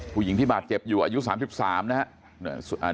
ผู้หญิงที่บาดเจ็บอยู่อายุสามสิบสามนะฮะ